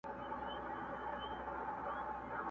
نیکه لمیسو ته نکلونه د جنګونو کوي!!